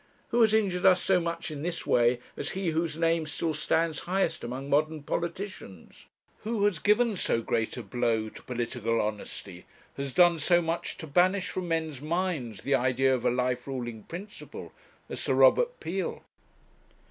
Who has injured us so much in this way as he whose name still stands highest among modern politicians? Who has given so great a blow to political honesty, has done so much to banish from men's minds the idea of a life ruling principle, as Sir Robert Peel?